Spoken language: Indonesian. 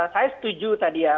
saya setuju tadi ya